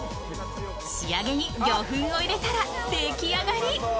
仕上げに魚粉を入れたら出来上がり。